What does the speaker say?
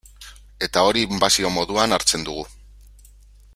Eta hori inbasio moduan hartzen dugu.